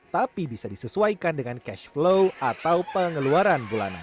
tapi bisa disesuaikan dengan cash flow atau pengeluaran bulanan